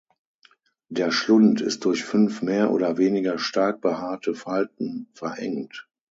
Der Schlund ist durch fünf mehr oder weniger stark behaarte Falten verengt.